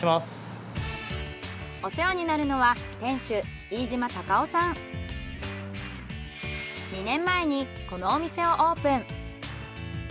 お世話になるのは２年前にこのお店をオープン。